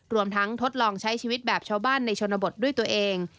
รวมทั้งทดลองใช้ชีวิตแบบชาวบ้านในชนบทด้วยตัวเอง